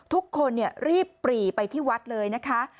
ทุกคนรีบปรีไปที่วัดเลยนะคะ